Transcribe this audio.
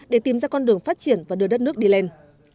để tìm ra con đường phát triển và đưa đất nước đi lên